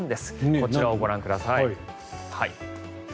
こちらをご覧ください。